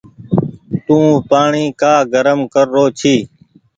تو پآڻيٚ ڪآ گرم ڪر رو ڇي۔